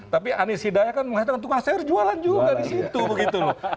tapi anies hidayah kan mengatakan tukang sayur jualan juga di situ begitu loh